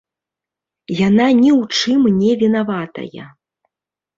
Яна ні ў чым не вінаватая.